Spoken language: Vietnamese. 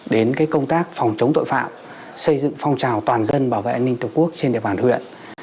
đến công tác phòng chống tội phạm xây dựng phong trào toàn dân bảo vệ an ninh tổ quốc trên địa bàn huyện